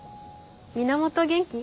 源元気？